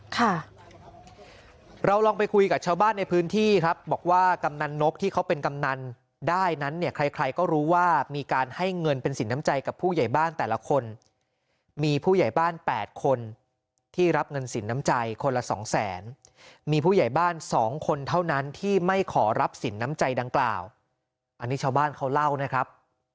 ค่ะเราลองไปคุยกับชาวบ้านในพื้นที่ครับบอกว่ากำนันนกที่เขาเป็นกำนันได้นั้นเนี่ยใครใครก็รู้ว่ามีการให้เงินเป็นสินน้ำใจกับผู้ใหญ่บ้านแต่ละคนมีผู้ใหญ่บ้านแปดคนที่รับเงินสินน้ำใจคนละสองแสนมีผู้ใหญ่บ้านสองคนเท่านั้นที่ไม่ขอรับสินน้ำใจดังกล่าวอันนี้ชาวบ้านเขาเล่านะครับ